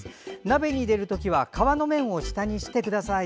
鍋に入れるときは皮の面を下にしてください。